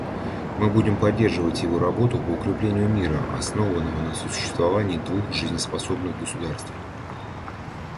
Мы будем поддерживать его работу по укреплению мира, основанного на сосуществовании двух жизнеспособных государств.